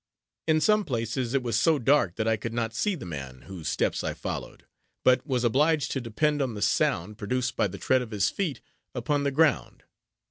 In some places, it was so dark that I could not see the man, whose steps I followed; but was obliged to depend on the sound, produced by the tread of his feet, upon the ground.